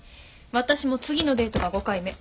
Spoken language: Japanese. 私も次のデートが５回目。